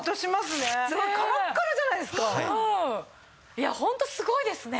いやホントすごいですね！